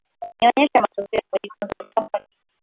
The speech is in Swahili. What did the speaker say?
Nionyeshe matokeo ya kujifunza bila mwalimu